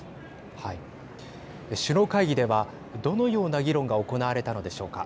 はい。首脳会議ではどのような議論が行われたのでしょうか。